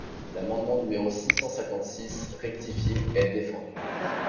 L’amendement numéro six cent cinquante-six rectifié est défendu.